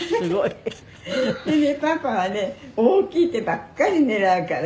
「でねパパはね大きい手ばっかり狙うから」